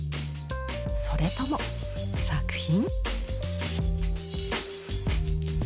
それとも作品？